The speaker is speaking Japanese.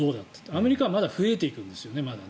アメリカはまだ増えていくんですよね。